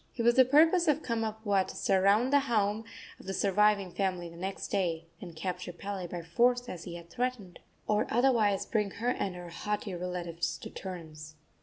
It was the purpose of Kamapuaa to surround the home of the surviving family the next day, and capture Pele by force, as he had threatened, or otherwise bring her and her haughty relatives to terms.